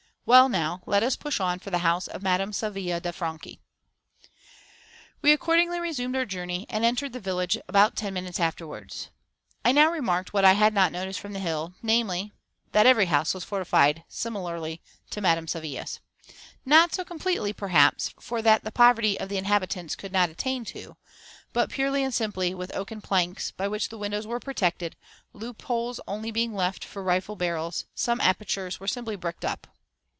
"Well, now, let us push on for the house of Madame Savilia de Franchi." We accordingly resumed our journey, and entered the village about ten minutes afterwards. I now remarked what I had not noticed from the hill, namely, that every house was fortified similarly to Madame Savilia's. Not so completely, perhaps, for that the poverty of the inhabitants could not attain to, but purely and simply with oaken planks, by which the windows were protected, loop holes only being left for rifle barrels; some apertures were simply bricked up.